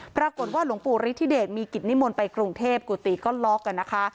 ปรากฏว่าหลวงปู่ฤทธิเดชมีกิจนิมนต์ไปกรุงเทพกุฏิก็ล็อกกันนะคะ